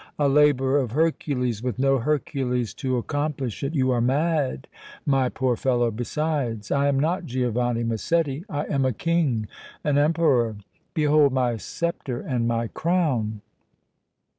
A labor of Hercules with no Hercules to accomplish it! You are mad, my poor fellow! Besides, I am not Giovanni Massetti I am a King, an Emperor! Behold my sceptre and my crown!"